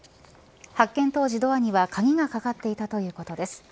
発見当時ドアには鍵が掛かっていたということです。